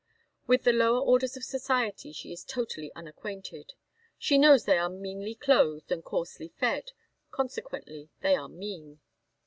With the lower orders of society she is totally unacquainted; she knows they are meanly clothed and coarsely fed, consequently they are mean.